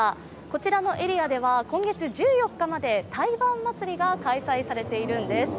こちらのエリアでは今月１４日まで台湾祭が開催されているんです。